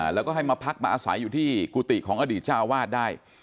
แล้วก็ให้มาพักมาอาศัยอยู่ที่กุฏิของอดีตเจ้าวาดได้